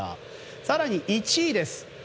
更に１位です。